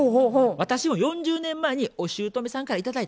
「私も４０年前におしゅうとめさんから頂いたやつや。